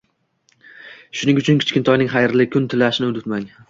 shuning uchun kichkintoyga xayrli kun tilashni unutmang.